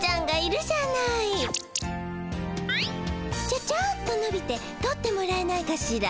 ちょちょっとのびて取ってもらえないかしら？